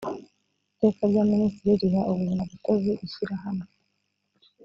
iteka rya minisitiri riha ubuzimagatozi ishyirahamwe